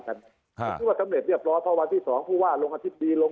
ผมคิดว่าสำเร็จเรียบร้อยเพราะวันที่๒ผู้ว่าลงอธิบดีลง